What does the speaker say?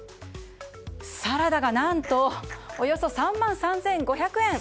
サラダが何とおよそ３万３５００円。